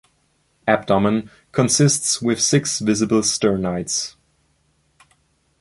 Abdomen consists with six visible sternites.